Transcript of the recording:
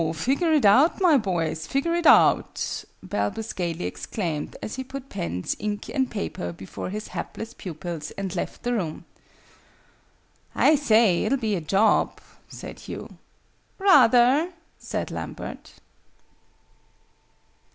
Figure it out, my boys, figure it out!" Balbus gaily exclaimed, as he put pens, ink, and paper before his hapless pupils, and left the room. "I say! It'll be a job!" said Hugh. "Rather!" said Lambert.